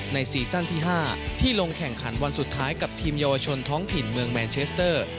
ซีซั่นที่๕ที่ลงแข่งขันวันสุดท้ายกับทีมเยาวชนท้องถิ่นเมืองแมนเชสเตอร์